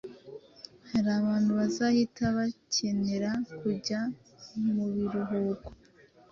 "Hari abantu bazahita bakenera kujya mu biruhuko